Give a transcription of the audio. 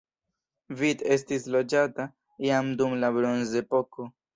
Vid estis loĝata jam dum la bronzepoko.